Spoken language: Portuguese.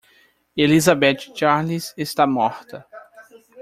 Elizabeth Charles está morta.